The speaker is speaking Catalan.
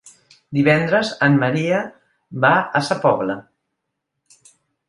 Divendres en Maria va a Sa Pobla.